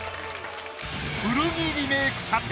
古着リメイク査定。